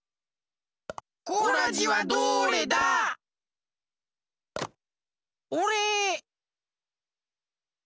コラジはどれだ？おれ！